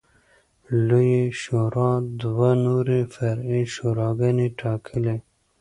لویې شورا دوه نورې فرعي شوراګانې ټاکلې